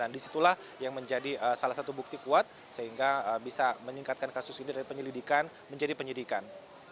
dan disitulah yang menjadi salah satu bukti kuat sehingga bisa meningkatkan kasus ini dari penyelidikan menjadi penyidikan